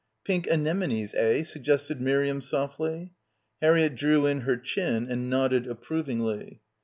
"Pink anemones, eh," suggested Miriam softly. Harriett drew in her chin and nodded approv ingly.